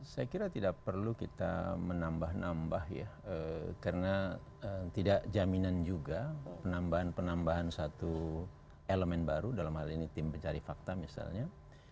saya kira tidak perlu kita menambah nambah ya karena tidak jaminan juga penambahan penambahan satu elemen baru dalam hal ini tim pencari fakta misalnya